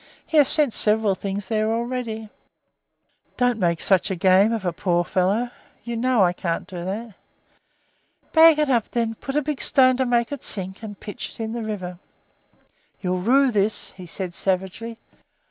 He has sent several things there already." "Don't make such a game of a poor devil. You know I can't do that." "Bag it up, then; put a big stone to make it sink, and pitch it in the river." "You'll rue this," he said savagely.